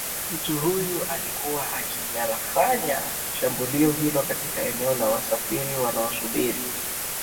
mtu huyu alikuwa akiyalifanya shambulio hiyo katika eneo la wasafiri wanosubiri